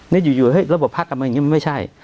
นี่อยู่ระบบภาคการเมืองอย่างนี้มันไม่ใช่